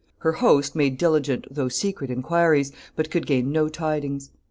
Her host made diligent though secret inquiries, but could gain no tidings.